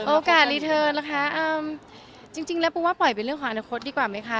รีเทิร์นล่ะคะจริงแล้วปูว่าปล่อยเป็นเรื่องของอนาคตดีกว่าไหมคะ